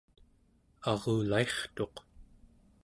arulairtuq